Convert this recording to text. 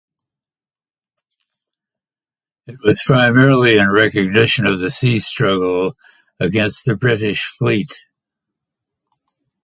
It was "primarily in recognition of the sea struggle" against the British fleet.